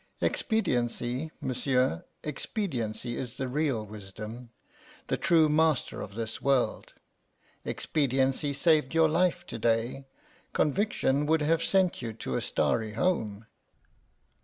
Expediency, monsieur, expediency is the real wisdom, the true master of this world. Expediency saved your life to day; conviction would have sent you to a starry home."